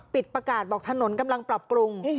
ประกาศบอกถนนกำลังปรับปรุง